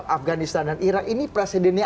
afghanistan dan iraq ini presidennya